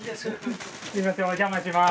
すいませんお邪魔します。